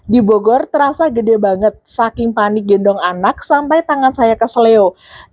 di bogor terasa gede banget saking panik gendong anak sampai tangan saya keseleo